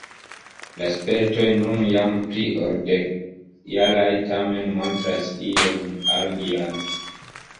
La spertoj nun jam pli ol dekjaraj tamen montras ion alian.